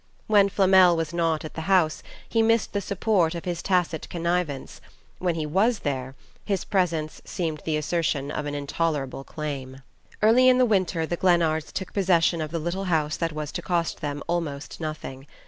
When Flamel was not at the house, he missed the support of his tacit connivance; when he was there, his presence seemed the assertion of an intolerable claim. Early in the winter the Glennards took possession of the little house that was to cost them almost nothing.